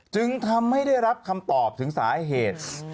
จึงทำให้ได้รับคำตอบถึงสาเหตุ